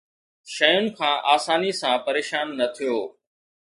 شين کان آساني سان پريشان نه ٿيو